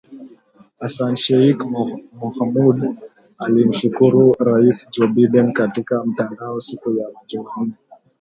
Hassan Sheikh Mohamud alimshukuru Rais Joe Biden katika mtandao siku ya Jumanne